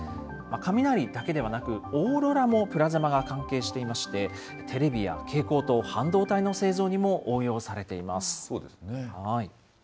雷だけではなく、オーロラもプラズマが関係していまして、テレビや蛍光灯、半導体の製造にも応用されています。